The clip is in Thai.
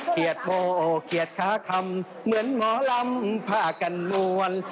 เขียดโบเขียดคาคำเหมือนหมอลำผ้ากันลวน